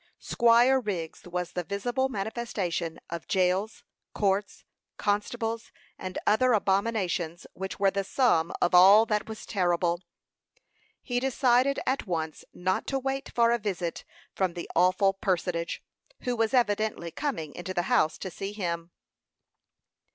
Squire Wriggs was the visible manifestation of jails, courts, constables, and other abominations, which were the sum of all that was terrible. He decided at once not to wait for a visit from the awful personage, who was evidently coming into the house to see him.